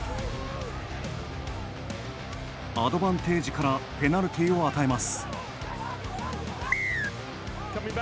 アドバンテージからペナルティーを与えます。